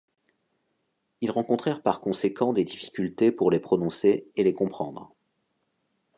Ils rencontrèrent par conséquent des difficultés pour les prononcer et les comprendre.